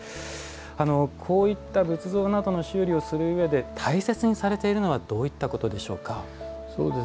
こういった仏像などの修理をするうえで大切にされていることはどういったことでしょうか？